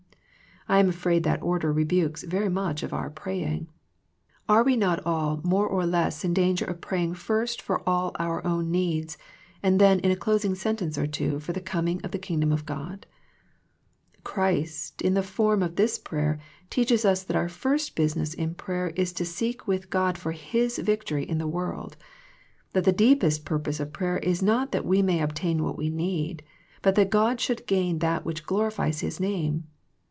I am afraid that order rebukes very much of our pray ing. Are we not all more or less in danger of praying first for all our own needs, and then in a closing sentence or two for the coming of the Kingdom of God ? Christ in the form of this prayer teaches us that our first business in prayer is to seek with God for His victory in the world ; that the deepest purpose of pra3^er is not that we may obtain what we need, but that God should gain that which glorifies His name.